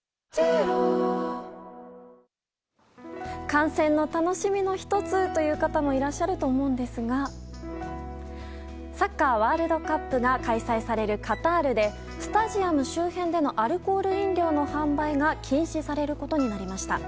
観戦の楽しみの１つという方もいらっしゃると思うんですがサッカーワールドカップが開催されるカタールでスタジアム周辺でのアルコール飲料の販売が禁止されることになりました。